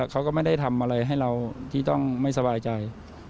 เขาก็ไม่ได้ทำอะไรให้เราที่ต้องไม่สบายใจ